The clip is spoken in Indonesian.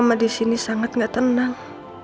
sama di sini sangat gak tenang